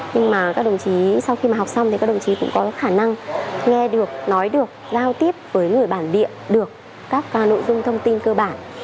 nhưng mà các đồng chí sau khi mà học xong thì các đồng chí cũng có khả năng nghe được nói được giao tiếp với người bản địa được các nội dung thông tin cơ bản